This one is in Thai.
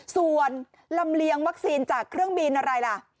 ส่วนลำเลียงวัคซีนจากเครื่องบินอะไรล่ะ